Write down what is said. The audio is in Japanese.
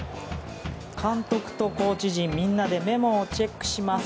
監督とコーチ陣みんなでメモをチェックします。